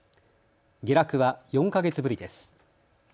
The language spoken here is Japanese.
下落は４か月ぶりです。